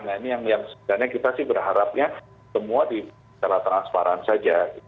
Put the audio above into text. nah ini yang sebenarnya kita sih berharapnya semua secara transparan saja